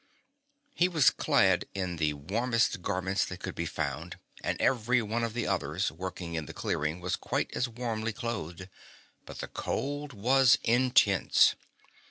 He was clad in the warmest garments that could be found, and every one of the others working in the clearing was quite as warmly clothed, but the cold was intense.